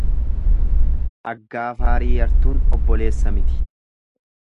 Aggafaarii yartuun obboleessa miti.